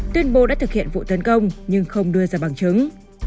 tuyên bố đã thực hiện vụ tấn công nhưng không đưa ra bằng chứng